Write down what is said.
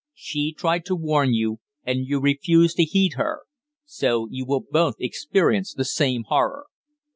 She tried to warn you, and you refused to heed her. So you will both experience the same horror."